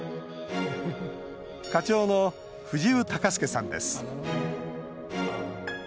課長の藤生孝典さんです。